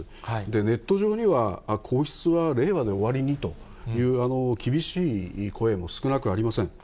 ネット上には、皇室は令和で終わりにという厳しい声も少なくありません。